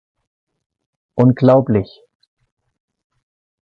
Unglaublich!